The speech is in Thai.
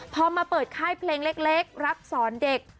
พอมาเปิดค่ายเพลงเล็กรักสอนเด็ก